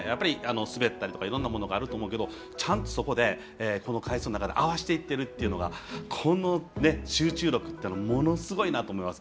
滑ったりとかいろんなことがあると思うけど、ちゃんとその中で回数の中で合わせていってるというのが集中力というのはものすごいなと思います。